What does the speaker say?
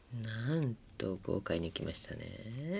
なんと豪快にいきましたね。